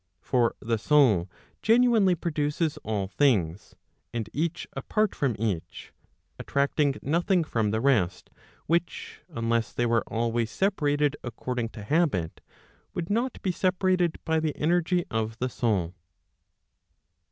For the soul genuinely produces all things, and each apart from each, attracting nothing from the rest, which, unless they were always separated according to habit, would not be separated by the energy of the soul.